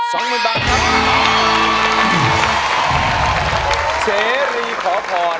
พี่จะได้กลับไปดูแลกันได้บ้างสักระยะหนึ่ง